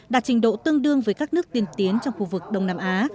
đạt trình độ tương đương với các nước tiên tiến trong khu vực đông nam á